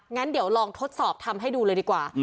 งั้นเดี๋ยวลองทดสอบทำให้ดูเลยดีกว่า